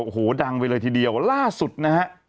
โอ้โหดังไปเลยทีเดียวล่าสุดนะฮะ